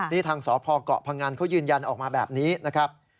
นี่ทางสพเกาะพงันเขายืนยันออกมาแบบนี้นะครับ